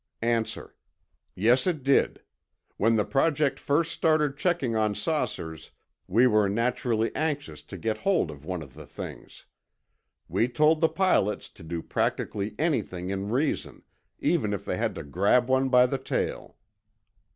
A. Yes, it did. When the project first started checking on saucers we were naturally anxious to get hold of one of the things. We told the pilots to do practically anything in reason, even if they had to grab one by the tail.